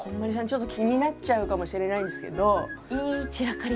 ちょっと気になっちゃうかもしれないんですけど。